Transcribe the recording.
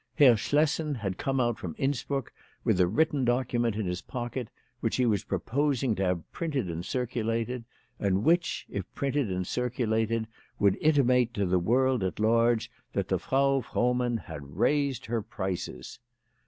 Herr Schlessen had come out from Innsbruck with a written document in his pocket, which he was proposing to have printed and circulated, and which, if printed and circulated, would intimate to the world at large that the Frau Frohmann had raised her prices.